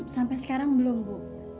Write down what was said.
sampai sekarang belum bu